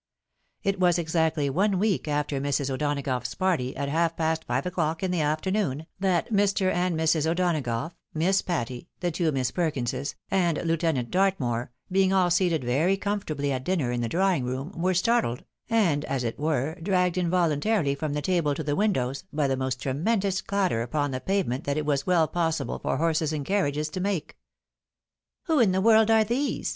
It was exactly one week after Mrs. O'Donagough's party, at half past five o'clock in the afternoon, that Mr. and Mrs. O'Donagough, Miss Patty, the two Miss Perkinses, and Lieu tenant Dartmoor, being all seated very comfortably at dinner in the drawing room, were startled, and, as it were, dragged in voluntarily from the table to the windows, by the most tremendous clatter upon the pavement that it was well possible for horses and carriages to make. " Who in the world are these